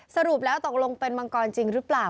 สรุปแล้วตกลงเป็นมังกรจริงหรือเปล่า